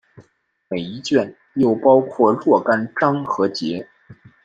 每一卷又包括若干章和节。